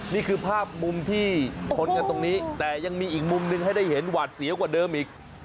นี่คือภาพมุมที่ชนกันตรงนี้แต่ยังมีอีกมุมหนึ่งให้ได้เห็นหวาดเสียวกว่าเดิมอีก